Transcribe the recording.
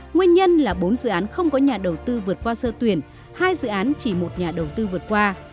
nguyên nhân là bốn dự án không có nhà đầu tư vượt qua sơ tuyển hai dự án chỉ một nhà đầu tư vượt qua